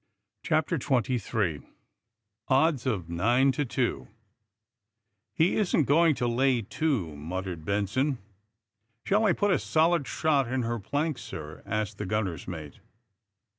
CHAPTER XXIII ODDS OF NINE TO TWO I « E isn't going to lay to," muttered Benson. *^ Shair I put a solid shot in her planks, sir?" asked the gunner's mate.